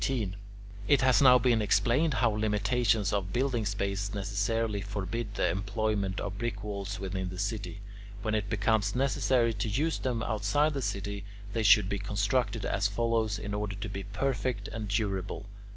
It has now been explained how limitations of building space necessarily forbid the employment of brick walls within the city. When it becomes necessary to use them outside the city, they should be constructed as follows in order to be perfect and durable.